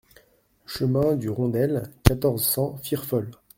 Chemin du Rondel, quatorze, cent Firfol